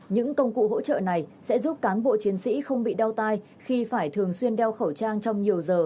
những công cụ hỗ trợ này sẽ giúp cán bộ chiến sĩ không bị đau tay khi phải thường xuyên đeo khẩu trang trong nhiều giờ